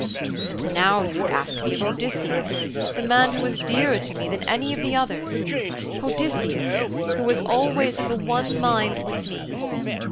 And now you ask me of Odysseus, the man who was dearer to me than any of the others Odysseus, who was always of the one mind with me!